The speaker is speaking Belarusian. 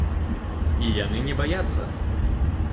І яны не баяцца.